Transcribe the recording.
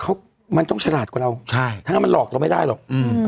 เขามันต้องฉลาดกว่าเราใช่ทั้งนั้นมันหลอกเราไม่ได้หรอกอืม